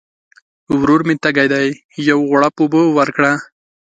ورور مي تږی دی ، یو غوړپ اوبه ورکړه !